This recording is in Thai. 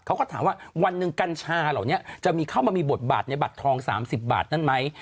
เขาก็ถามว่าวันหนึ่งกัญชาเหล่านี้จะมีเข้ามามีบทบาทในบัตรทอง๓๐บาทนั้นไหม